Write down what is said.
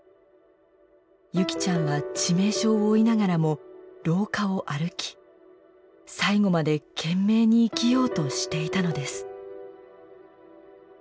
優希ちゃんは致命傷を負いながらも廊下を歩き最後まで懸命に生きようとしていたのです。